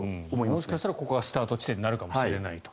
もしかしたらここがスタート地点になるかもしれないと。